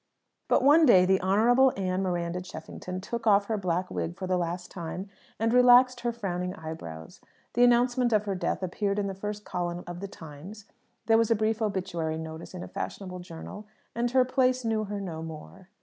But one day the Honourable Anne Miranda Cheffington took off her black wig for the last time, and relaxed her frowning eyebrows. The announcement of her death appeared in the first column of the Times, there was a brief obituary notice in a fashionable journal, and her place knew her no more.